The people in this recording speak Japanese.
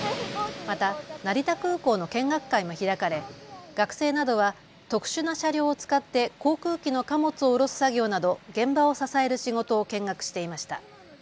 また成田空港の見学会も開かれ学生などは特殊な車両を使って航空機の貨物を降ろす作業など現場を支える仕事を見学していました。